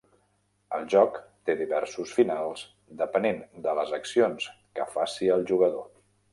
El joc té diversos finals depenent de les accions que faci el jugador.